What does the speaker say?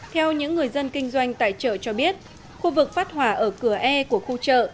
theo những người dân kinh doanh tại chợ cho biết khu vực phát hỏa ở cửa e của khu chợ